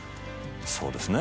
そうですね